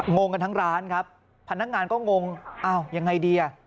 งงกันทั้งร้านครับพนักงานก็งงอ้าวยังไงดีอ่ะ